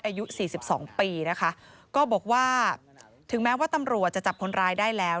อายุสี่สิบสองปีนะคะก็บอกว่าถึงแม้ว่าตำรวจจะจับคนร้ายได้แล้ว